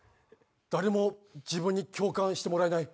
誰も自分に共感してもらえない。